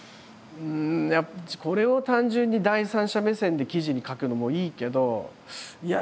これを単純に第三者目線で記事に書くのもいいけどいや